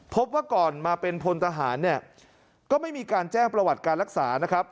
พบว่าก่อนมาเป็นพลทหารเนี่ยก็ไม่มีการแจ้งประวัติการรักษานะครับ